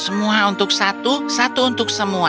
semua untuk satu satu untuk semua